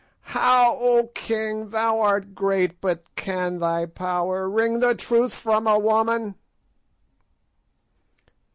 "How, O king? Thou art great, but can thy power wring the truth from a woman?"